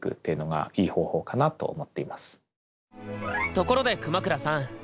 ところで熊倉さん